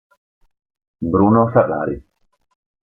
Bruno Ferrari